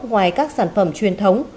ngoài các sản phẩm truyền thống